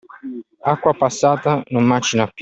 Acqua passata non macina più.